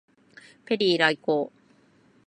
ペリー来航